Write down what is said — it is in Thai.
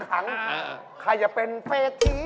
ถ้าจะเป็นเฟ้ธิ